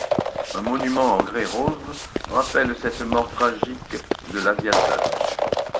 Un monument en grès rose rappelle cette mort tragique de l'aviateur.